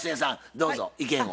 どうぞ意見を。